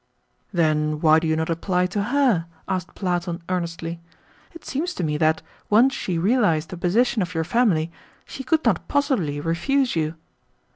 "Then why do you not apply to her?" asked Platon earnestly. "It seems to me that, once she realised the position of your family, she could not possibly refuse you."